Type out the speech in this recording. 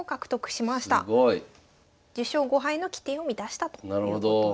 すごい。１０勝５敗の規定を満たしたということです。